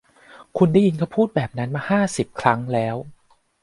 คุณได้ยินเค้าพูดแบบนั้นมาห้าสิบครั้งแล้ว